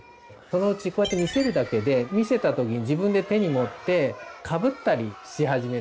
そのうちこうやって見せるだけで見せた時に自分で手に持ってかぶったりし始める。